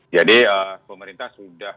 jadi pemerintah sudah